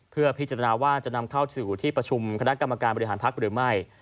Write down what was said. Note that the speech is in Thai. เพื่อพิจารณาว่าจะนำเข้าสู่ที่ประชุมคณะกรรมการบริหารพักหรือไม่